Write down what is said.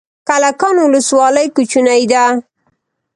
کلکان ولسوالۍ کوچنۍ ده؟